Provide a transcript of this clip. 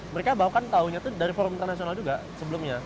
mereka bahkan tahunya itu dari forum internasional juga sebelumnya